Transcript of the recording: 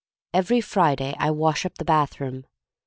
Every Friday I wash up the bath room.